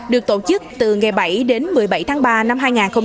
được tổ chức từ ngày bảy đến một mươi bảy tháng ba năm hai nghìn hai mươi